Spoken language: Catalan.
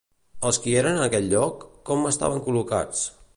Els qui eren en aquell lloc, com estaven col·locats?